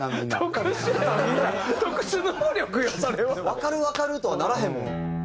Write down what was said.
わかるわかる！とはならへんもん。